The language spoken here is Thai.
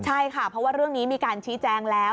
ใช่ค่ะเพราะว่าเรื่องนี้มีการชี้แจงแล้ว